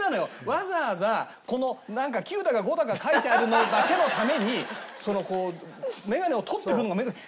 わざわざこの「９」だか「５」だか書いてあるのだけのために眼鏡を取ってくるのがめんどい。